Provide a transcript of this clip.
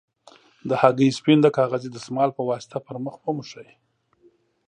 د هګۍ سپین د کاغذي دستمال په واسطه پر مخ وموښئ.